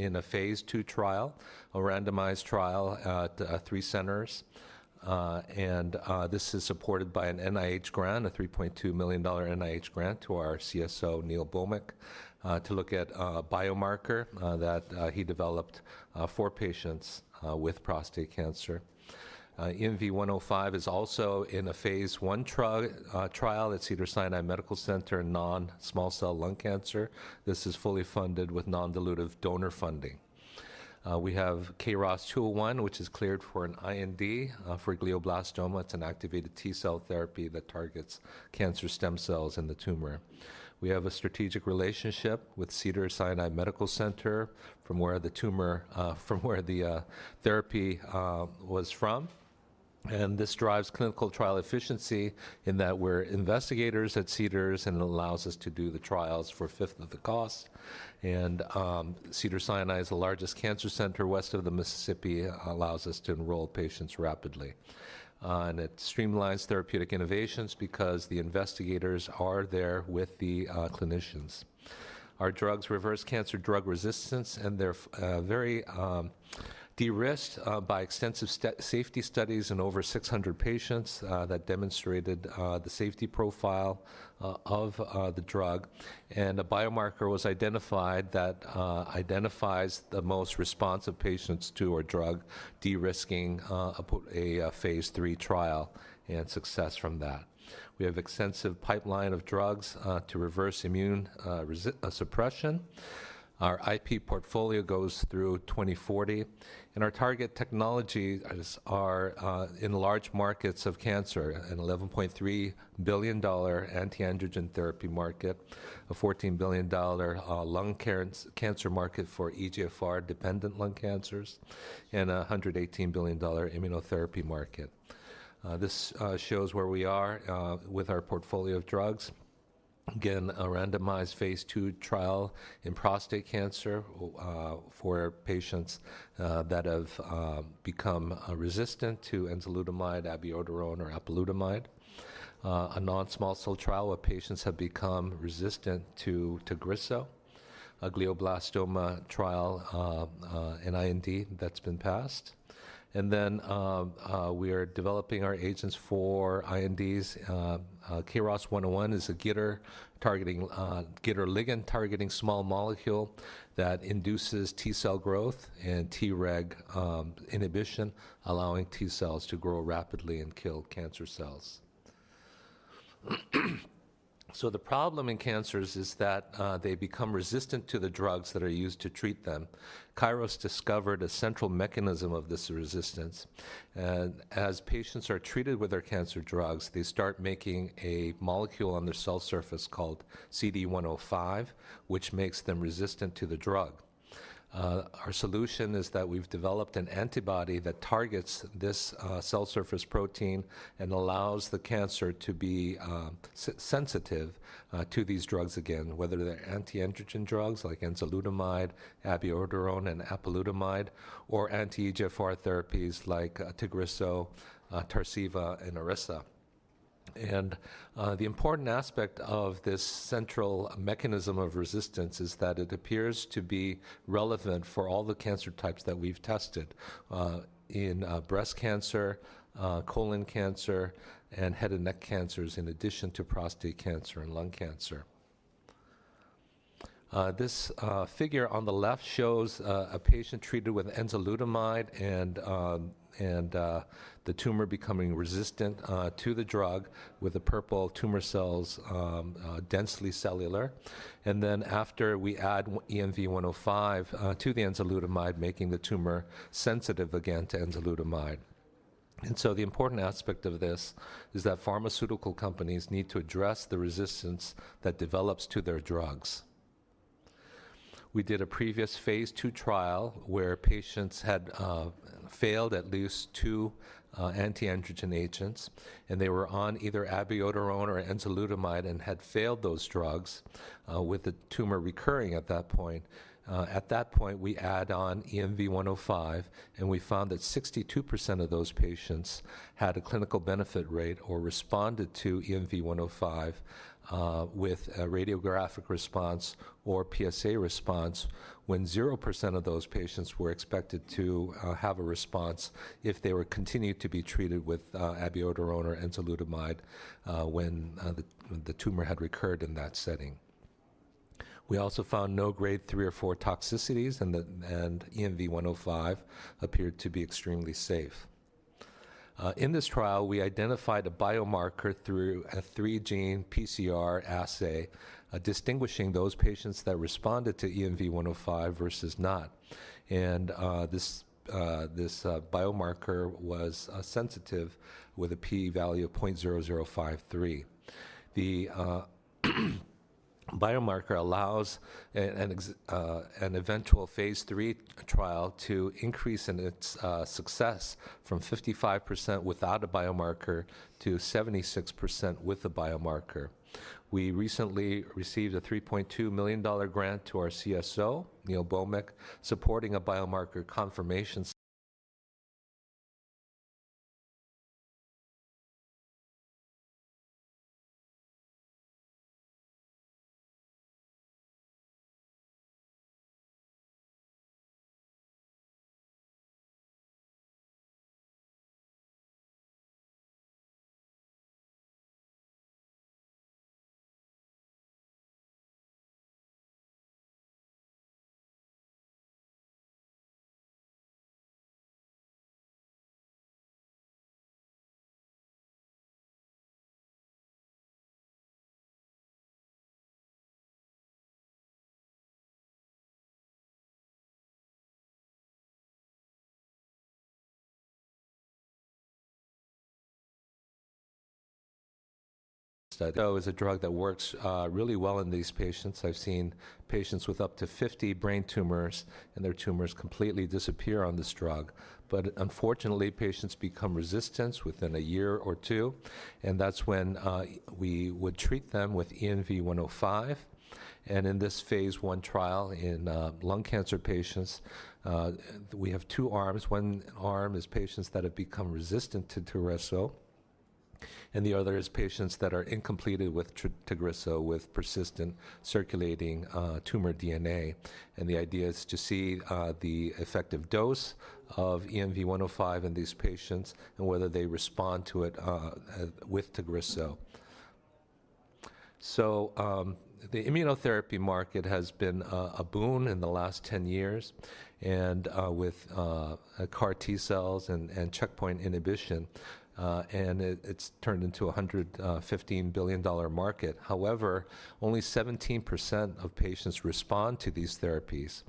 In a phase two trial, a randomized trial at three centers, and this is supported by an NIH grant, a $3.2 million NIH grant to our CSO, Neil Bhowmick, to look at a biomarker that he developed for patients with prostate cancer. ENV-105 is also in a phase one trial at Cedars-Sinai Medical Center in non-small cell lung cancer. This is fully funded with non-dilutive donor funding. We have Kairos-201, which is cleared for an IND for glioblastoma. It's an activated T-cell therapy that targets cancer stem cells in the tumor. We have a strategic relationship with Cedars-Sinai Medical Center from where the therapy was from, and this drives clinical trial efficiency in that we're investigators at Cedars and it allows us to do the trials for a fifth of the cost, and Cedars-Sinai is the largest cancer center west of the Mississippi, allows us to enroll patients rapidly. It streamlines therapeutic innovations because the investigators are there with the clinicians. Our drugs reverse cancer drug resistance, and they're very de-risked by extensive safety studies in over 600 patients that demonstrated the safety profile of the drug. A biomarker was identified that identifies the most responsive patients to our drug, de-risking a phase three trial and success from that. We have an extensive pipeline of drugs to reverse immune suppression. Our IP portfolio goes through 2040. Our target technologies are in large markets of cancer, an $11.3 billion anti-androgen therapy market, a $14 billion lung cancer market for EGFR-dependent lung cancers, and a $118 billion immunotherapy market. This shows where we are with our portfolio of drugs. Again, a randomized phase two trial in prostate cancer for patients that have become resistant to enzalutamide, abiraterone, or apalutamide. A non-small cell trial where patients have become resistant to Tagrisso, a glioblastoma trial and IND that's been passed. And then we are developing our agents for INDs. Kairos-101 is a GITR ligand targeting small molecule that induces T-cell growth and Treg inhibition, allowing T-cells to grow rapidly and kill cancer cells. So the problem in cancers is that they become resistant to the drugs that are used to treat them. Kairos discovered a central mechanism of this resistance. And as patients are treated with our cancer drugs, they start making a molecule on the cell surface called CD105, which makes them resistant to the drug. Our solution is that we've developed an antibody that targets this cell surface protein and allows the cancer to be sensitive to these drugs again, whether they're anti-androgen drugs like enzalutamide, Abiraterone, and apalutamide, or anti-EGFR therapies like Tagrisso, Tarceva, and Iressa. The important aspect of this central mechanism of resistance is that it appears to be relevant for all the cancer types that we've tested in breast cancer, colon cancer, and head and neck cancers, in addition to prostate cancer and lung cancer. This figure on the left shows a patient treated with enzalutamide and the tumor becoming resistant to the drug with the purple tumor cells densely cellular. After we add INV-105 to the enzalutamide, making the tumor sensitive again to enzalutamide. The important aspect of this is that pharmaceutical companies need to address the resistance that develops to their drugs. We did a previous phase two trial where patients had failed at least two anti-androgen agents, and they were on either Abiraterone or enzalutamide and had failed those drugs with the tumor recurring at that point. At that point, we add on INV-105, and we found that 62% of those patients had a clinical benefit rate or responded to INV-105 with a radiographic response or PSA response when 0% of those patients were expected to have a response if they were continued to be treated with Abiraterone or enzalutamide when the tumor had recurred in that setting. We also found no grade three or four toxicities, and INV-105 appeared to be extremely safe. In this trial, we identified a biomarker through a three-gene PCR assay, distinguishing those patients that responded to INV-105 versus not. And this biomarker was sensitive with a P value of 0.0053. The biomarker allows an eventual phase three trial to increase in its success from 55% without a biomarker to 76% with a biomarker. We recently received a $3.2 million grant to our CSO, Neil Bhowmick, supporting a biomarker confirmation. Tagrisso is a drug that works really well in these patients. I've seen patients with up to 50 brain tumors, and their tumors completely disappear on this drug, but unfortunately, patients become resistant within a year or two, and that's when we would treat them with INV-105. In this phase one trial in lung cancer patients, we have two arms. One arm is patients that have become resistant to Tagrisso, and the other is patients that are incomplete with Tagrisso with persistent circulating tumor DNA. The idea is to see the effective dose of INV-105 in these patients and whether they respond to it with Tagrisso. The immunotherapy market has been a boon in the last 10 years with CAR T-cells and checkpoint inhibition, and it's turned into a $115 billion market. However, only 17% of patients respond to these therapies.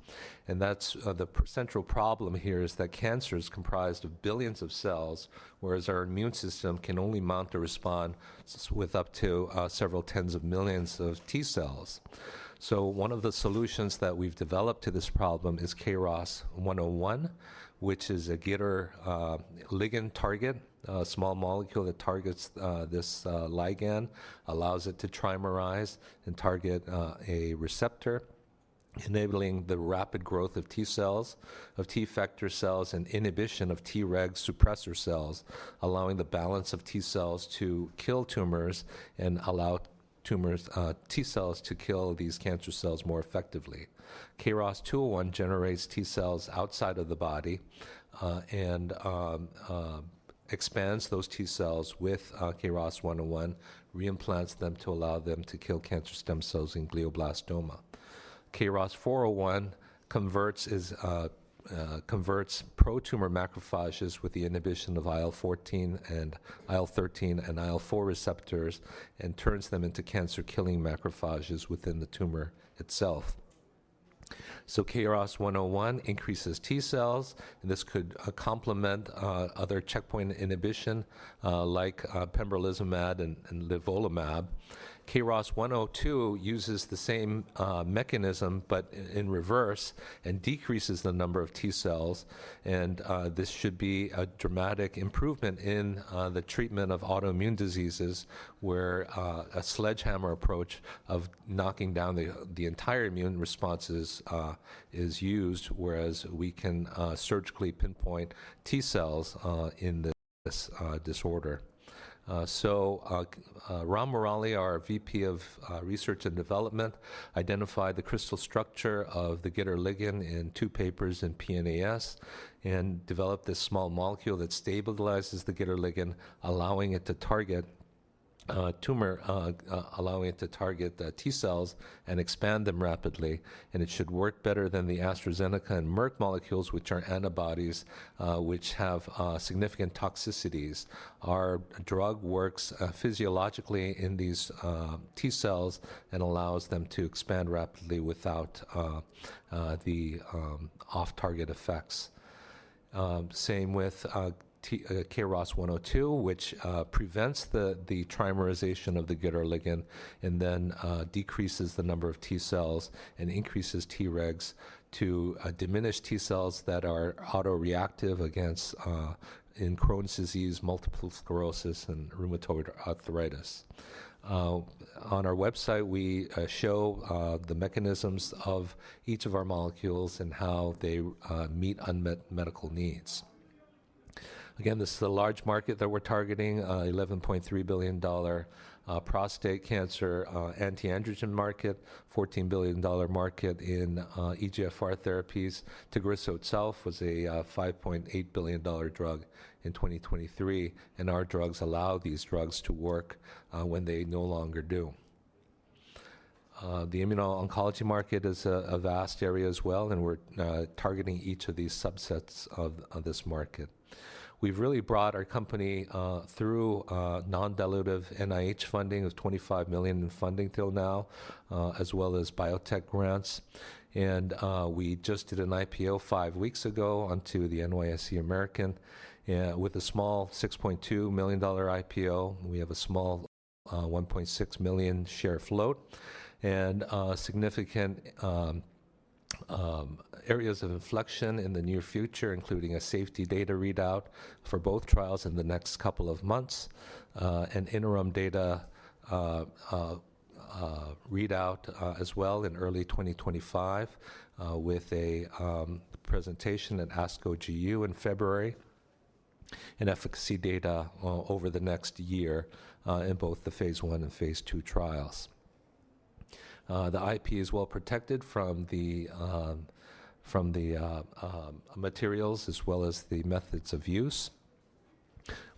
That's the central problem here is that cancer is comprised of billions of cells, whereas our immune system can only mount a response with up to several tens of millions of T-cells. One of the solutions that we've developed to this problem is Kairos 101, which is a GITR ligand target, a small molecule that targets this ligand, allows it to trimerize and target a receptor, enabling the rapid growth of T-cells, of effector cells, and inhibition of Treg suppressor cells, allowing the balance of T-cells to kill tumors and allow T-cells to kill these cancer cells more effectively. Kairos 201 generates T-cells outside of the body and expands those T-cells with Kairos 101, reimplants them to allow them to kill cancer stem cells in glioblastoma. Kairos-401 converts pro-tumor macrophages with the inhibition of IL-13 and IL-4 receptors and turns them into cancer-killing macrophages within the tumor itself. So Kairos-101 increases T-cells, and this could complement other checkpoint inhibition like pembrolizumab and nivolumab. Kairos-102 uses the same mechanism but in reverse and decreases the number of T-cells. And this should be a dramatic improvement in the treatment of autoimmune diseases where a sledgehammer approach of knocking down the entire immune responses is used, whereas we can surgically pinpoint T-cells in this disorder. So Ramachandran Murali, our VP of Research and Development, identified the crystal structure of the GITR ligand in two papers in PNAS and developed this small molecule that stabilizes the GITR ligand, allowing it to target T-cells and expand them rapidly. And it should work better than the AstraZeneca and Merck molecules, which are antibodies which have significant toxicities. Our drug works physiologically in these T-cells and allows them to expand rapidly without the off-target effects. Same with Kairos 102, which prevents the trimerization of the GITR ligand and then decreases the number of T-cells and increases Tregs to diminish T-cells that are autoreactive against Crohn's disease, multiple sclerosis, and rheumatoid arthritis. On our website, we show the mechanisms of each of our molecules and how they meet unmet medical needs. Again, this is a large market that we're targeting: $11.3 billion prostate cancer anti-androgen market, $14 billion market in EGFR therapies. Tagrisso itself was a $5.8 billion drug in 2023, and our drugs allow these drugs to work when they no longer do. The immuno-oncology market is a vast area as well, and we're targeting each of these subsets of this market. We've really brought our company through non-dilutive NIH funding of $25 million in funding till now, as well as biotech grants. And we just did an IPO five weeks ago onto the NYSE American with a small $6.2 million IPO. We have a small $1.6 million share float and significant areas of inflection in the near future, including a safety data readout for both trials in the next couple of months, an interim data readout as well in early 2025 with a presentation at ASCO GU in February, and efficacy data over the next year in both the phase one and phase two trials. The IP is well protected from the materials as well as the methods of use.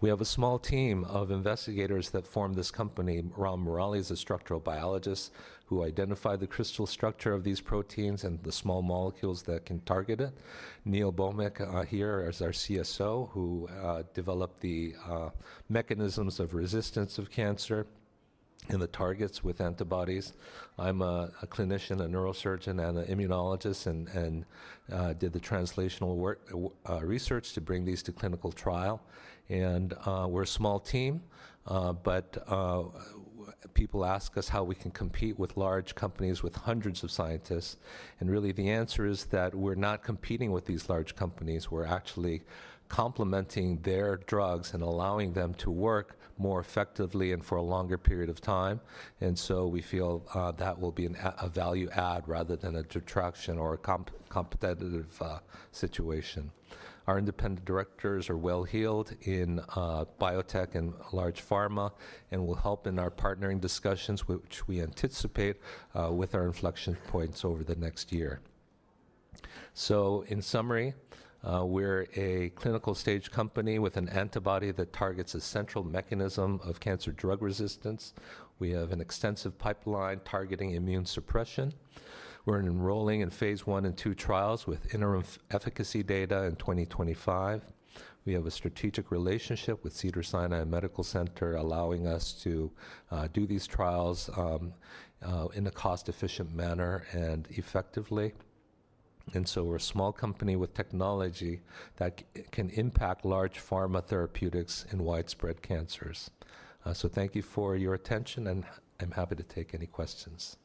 We have a small team of investigators that form this company. Ramachandran Murali is a structural biologist who identified the crystal structure of these proteins and the small molecules that can target it. Neil Bhowmick here is our CSO who developed the mechanisms of resistance of cancer and the targets with antibodies. I'm a clinician, a neurosurgeon, and an immunologist and did the translational research to bring these to clinical trial. We're a small team, but people ask us how we can compete with large companies with hundreds of scientists. Really, the answer is that we're not competing with these large companies. We're actually complementing their drugs and allowing them to work more effectively and for a longer period of time. We feel that will be a value add rather than a detraction or a competitive situation. Our independent directors are well-heeled in biotech and large pharma and will help in our partnering discussions, which we anticipate with our inflection points over the next year. So in summary, we're a clinical stage company with an antibody that targets a central mechanism of cancer drug resistance. We have an extensive pipeline targeting immune suppression. We're enrolling in phase one and two trials with interim efficacy data in 2025. We have a strategic relationship with Cedars-Sinai Medical Center allowing us to do these trials in a cost-efficient manner and effectively. And so we're a small company with technology that can impact large pharma therapeutics in widespread cancers. So thank you for your attention, and I'm happy to take any questions.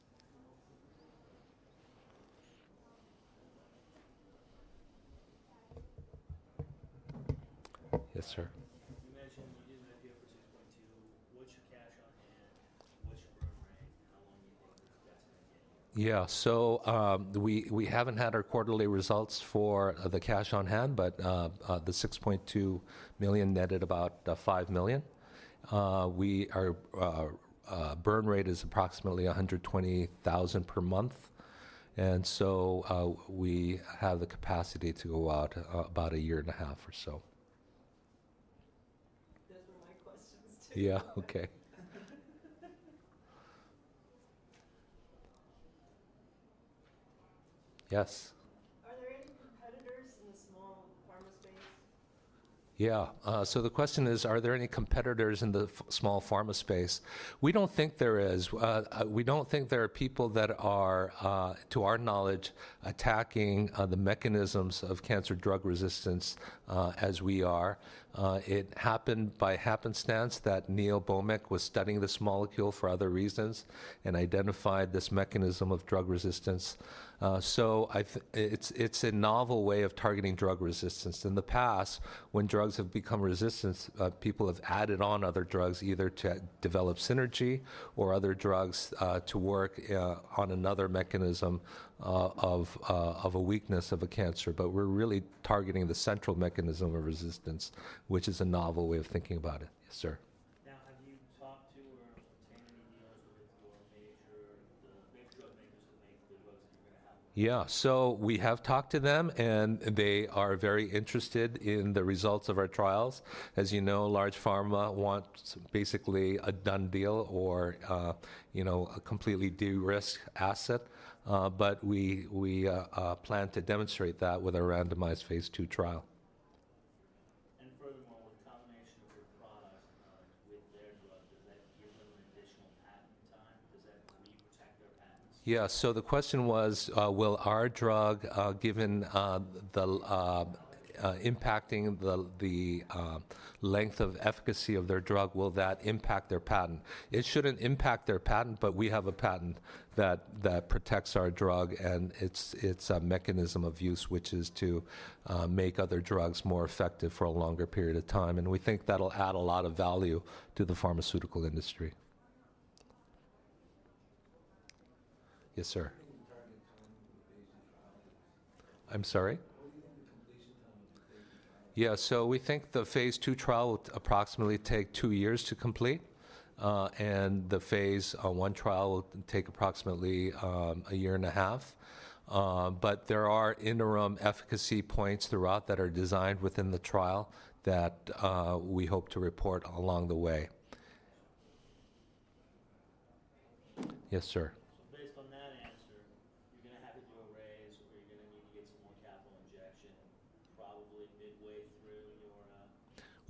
Yes, sir. You mentioned you did an IPO for $6.2 million. What's your cash on hand? What's your burn rate? How long do you think that's going to get you? Yeah. So we haven't had our quarterly results for the cash on hand, but the $6.2 million netted about $5 million. Our burn rate is approximately $120,000 per month. And so we have the capacity to go out about a year and a half or so. Those were my questions too. Yeah. Okay. Yes. Are there any competitors in the small pharma space? Yeah. So the question is, are there any competitors in the small pharma space? We don't think there is. We don't think there are people that are, to our knowledge, attacking the mechanisms of cancer drug resistance as we are. It happened by happenstance that Neil Bhowmick was studying this molecule for other reasons and identified this mechanism of drug resistance. So it's a novel way of targeting drug resistance. In the past, when drugs have become resistant, people have added on other drugs either to develop synergy or other drugs to work on another mechanism of a weakness of a cancer. But we're really targeting the central mechanism of resistance, which is a novel way of thinking about it. Yes, sir. Now, have you talked to or obtained any deals with the major drug makers that make the drugs that you're going to have? Yeah. So we have talked to them, and they are very interested in the results of our trials. As you know, large pharma wants basically a done deal or a completely de-risk asset. But we plan to demonstrate that with a randomized phase two trial, and furthermore, with the combination of your product with their drug, does that give them an additional patent time? Does that reproject their patents? Yeah. The question was, will our drug, given impacting the length of efficacy of their drug, will that impact their patent? It shouldn't impact their patent, but we have a patent that protects our drug, and it's a mechanism of use, which is to make other drugs more effective for a longer period of time. And we think that'll add a lot of value to the pharmaceutical industry. Yes, sir. How long do you think the target time of the phase 2 trial is? I'm sorry? How long do you think the completion time of the phase 2 trial is? Yeah. We think the phase 2 trial will approximately take two years to complete, and the phase 1 trial will take approximately a year and a half. There are interim efficacy points throughout that are designed within the trial that we hope to report along the way. Yes, sir.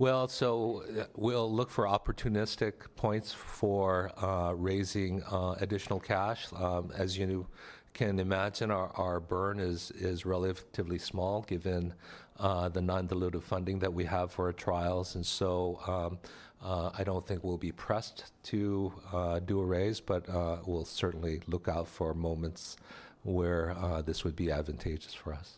So based on that answer, you're going to have to do a raise, or you're going to need to get some more capital injection probably midway through your? Well, so we'll look for opportunistic points for raising additional cash. As you can imagine, our burn is relatively small given the non-dilutive funding that we have for our trials. And so I don't think we'll be pressed to do a raise, but we'll certainly look out for moments where this would be advantageous for us.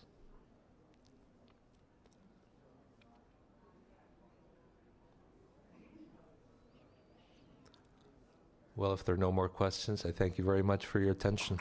Well, if there are no more questions, I thank you very much for your attention.